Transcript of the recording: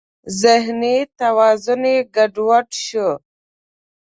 ذهني توازن یې ګډ وډ شو.